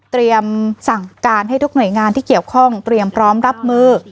สั่งการให้ทุกหน่วยงานที่เกี่ยวข้องเตรียมพร้อมรับมือ